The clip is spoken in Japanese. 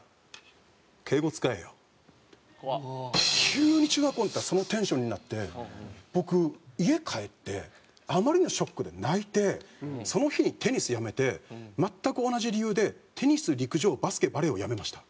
急に中学校いったらそのテンションになって僕家帰ってあまりのショックで泣いてその日にテニスやめて全く同じ理由でテニス陸上バスケバレーをやめました。